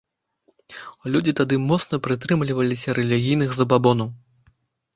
Людзі тады моцна прытрымліваліся рэлігійных забабонаў.